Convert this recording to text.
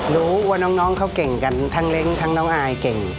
รู้ว่าน้องเขาเก่งกันทั้งเล้งทั้งน้องอายเก่ง